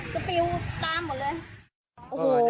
แล้วก็ตะกร้องตะกร้าถ้าอยากก็มั้งจะปิ๊วตามหมดเลย